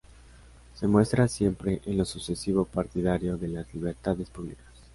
Se muestra siempre en lo sucesivo partidario de las libertades públicas.